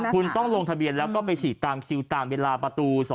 คุณต้องลงทะเบียนแล้วก็ไปฉีดตามคิวตามเวลาประตู๒